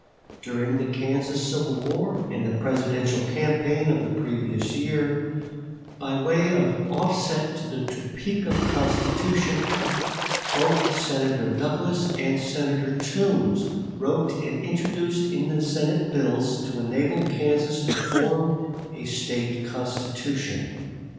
During the Kansas civil war and the Presidential campaign of the previous year, by way of offset to the Topeka Constitution, both Senator Douglas and Senator Toombs wrote and introduced in the Senate bills to enable Kansas to form a State constitution.